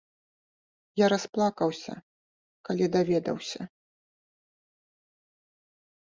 Я расплакаўся, калі даведаўся.